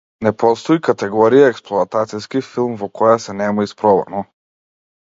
Не постои категорија експлоатациски филм во која се нема испробано.